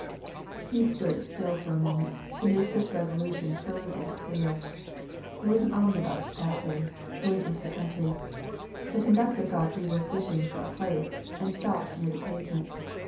He stood still for a moment, to make this resolution firm and clear. There was an omnibus passing going into the country; the conductor thought he was wishing for a place, and stopped near the pavement.